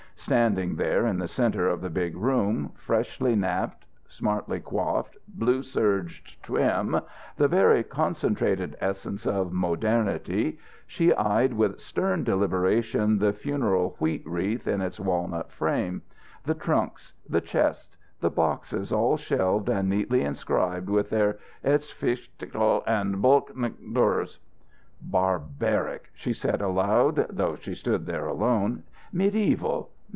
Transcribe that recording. Standing there in the centre of the big room, freshly napped, smartly coiffed, blue serged, trim, the very concentrated essence of modernity, she eyed with stern deliberation the funeral wheat wreath in its walnut frame; the trunks; the chests; the boxes all shelved and neatly inscribed with their "H's Fshg Tckl" and "Blk Nt Drs." "Barbaric!" she said aloud, though she stood there alone. "Medieval!